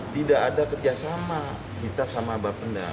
tidak ada kerjasama kita sama bapenda